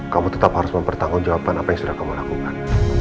kamu tetap harus mempertanggungjawabkan apa yang sudah kamu lakukan